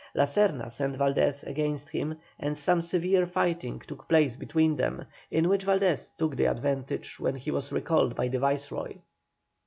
La Serna sent Valdés against him, and some severe fighting took place between them, in which Valdés had the advantage, when he was recalled by the Viceroy.